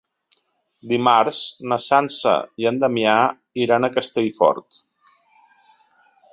Dimarts na Sança i en Damià iran a Castellfort.